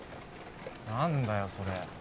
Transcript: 何だよそれ？